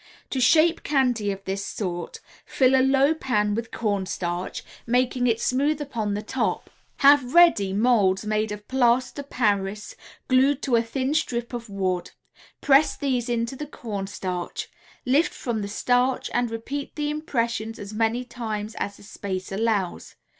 To shape candy of this sort, fill a low pan with cornstarch, making it smooth upon the top. Have ready molds made of plaster paris, glued to a thin strip of wood, press these into the cornstarch; lift from the starch and repeat the impressions as many times as the space allows.